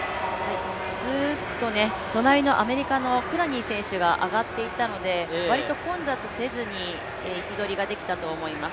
すーっと隣のアメリカのクラニー選手が上がっていったので割と混雑せずに位置取りができたと思います。